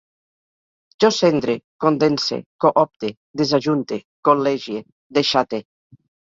Jo cendre, condense, coopte, desajunte, col·legie, deixate